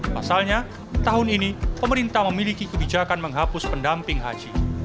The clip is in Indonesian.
pasalnya tahun ini pemerintah memiliki kebijakan menghapus pendamping haji